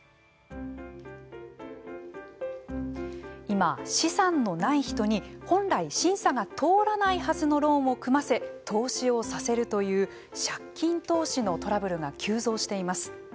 今、資産のない人に本来、審査が通らないはずのローンを組ませ投資させるという、借金投資のトラブルが急増しています。